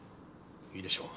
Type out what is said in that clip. いいでしょう。